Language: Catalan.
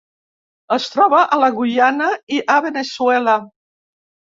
Es troba a la Guyana i a Veneçuela.